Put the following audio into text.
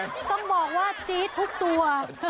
ต้องบอกว่าจี๊ดทุกตัว